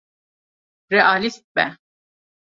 Realîst be.